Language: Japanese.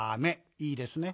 いいですね？